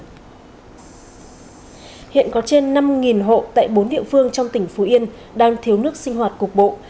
hiện có trên năm hộ tại bốn địa phương trong tỉnh phú yên đang thiếu nước sinh hoạt cục bộ